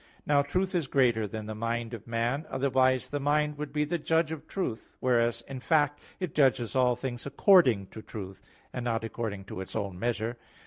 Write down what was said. Now truth is greater than the mind of man; otherwise the mind would be the judge of truth: whereas in fact it judges all things according to truth, and not according to its own measure.